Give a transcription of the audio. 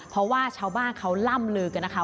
เพราะว่าชาวบ้านเขาล่ำลือกันนะคะ